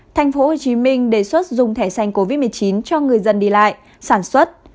tp hcm đề xuất dùng thẻ xanh covid một mươi chín cho người dân đi lại sản xuất